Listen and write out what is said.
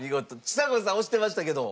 ちさ子さん押してましたけど。